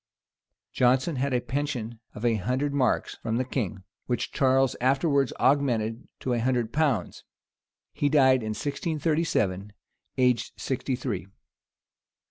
Jonson had a pension of a hundred marks from the king, which Charles afterwards augmented to a hundred pounds He died in 1637, aged sixty three.